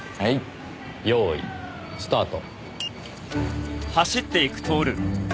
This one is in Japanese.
用意スタート。